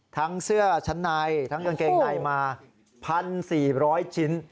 ทั้งเสื้อชั้นในทั้งกางเกงในมา๑๔๐๐ชิ้น